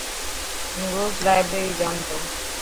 هون روز لائبريري جائون تو.